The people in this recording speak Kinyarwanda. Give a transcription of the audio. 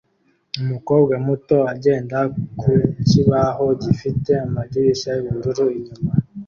Umukobwa muto agenda ku kibaho gifite amadirishya yubururu inyuma